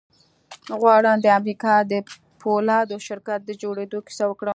غواړم د امريکا د پولادو شرکت د جوړېدو کيسه وکړم.